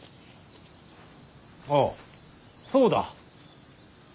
ああそうだ。